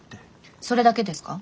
それだけですか？